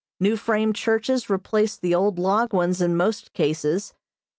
New frame churches replaced the old log ones in most cases.